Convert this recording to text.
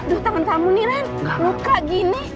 aduh tangan kamu nih ren luka gini